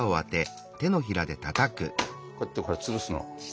こうやって潰すの。